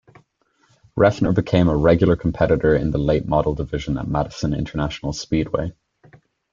Reffner became a regular competitor in the late model division at Madison International Speedway.